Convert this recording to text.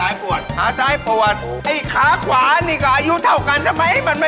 เอ้ยใครจะได้รู้ว่าชอมเป็นแช้ง